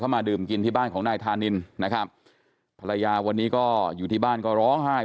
มาดื่มกินที่บ้านของนายธานินนะครับภรรยาวันนี้ก็อยู่ที่บ้านก็ร้องไห้